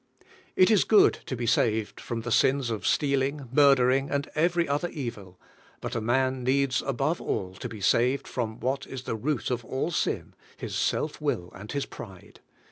It is good to be saved from the sins of stealing, murdering, and every other evil; but a man needs above all to be saved from what is the root of all sin, his self will and his pride.